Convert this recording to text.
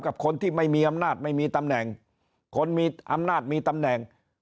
กับคนที่ไม่มีอำนาจไม่มีตำแหน่งคนมีอำนาจมีตำแหน่ง